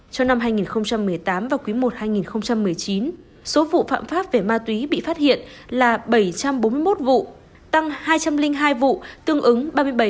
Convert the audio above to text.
trong năm hai nghìn một mươi tám và quý i hai nghìn một mươi chín số vụ phạm pháp về ma túy bị phát hiện là bảy trăm bốn mươi một vụ tăng hai trăm linh hai vụ tương ứng ba mươi bảy